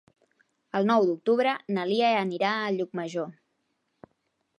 El nou d'octubre na Lia anirà a Llucmajor.